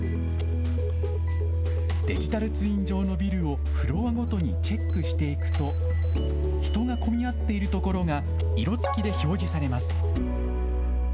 デジタルツイン上のビルをフロアごとにチェックしていくと、人が混み合っている所が色付きで表示されます。